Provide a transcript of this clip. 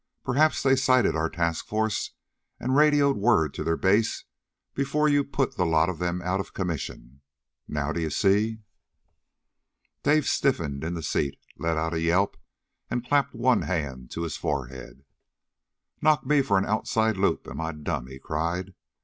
Perhaps they sighted our task force and radioed word to their base before you put the lot of them out of commission. Now do you see?" Dave stiffened in the seat, let out a yelp, and clapped one hand to his forehead. "Knock me for an outside loop, am I dumb!" he cried.